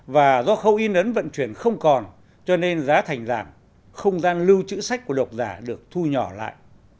và do khâu in ấn vận chuyển không còn cho nên giá thành giảm không gian lưu trữ sách của độc giả được thu nhỏ lại